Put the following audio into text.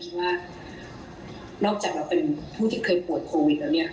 ก็เลยคิดว่านอกจากเราเป็นผู้ที่เคยโปรดโควิดแล้วเนี่ย